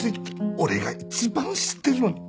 俺が一番知ってるのに。